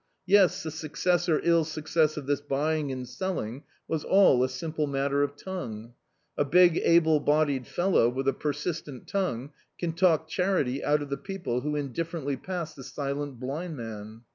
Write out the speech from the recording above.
Yes, the success or ill success of this buying and selling was all a simple matter of tongue. A big able bodied fellow, with a persistent tongue, can talk charity out of the people who indifferently pass the silent blind man.